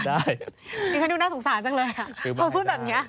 ดิฉันดูน่าสงสารจังเลยพอพูดแบบนี้